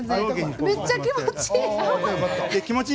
めっちゃ気持ちいい。